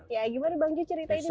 ya bagaimana bang johan cerita ini bisa